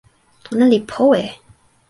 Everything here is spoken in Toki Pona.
ona li powe!